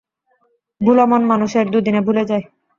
ভুলো মন মানুষের, দুদিনে ভুলে যায়।